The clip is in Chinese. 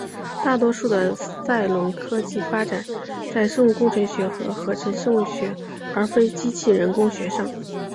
大多数的赛隆科技发展在生物工程学和合成生物学而非机器人工学上。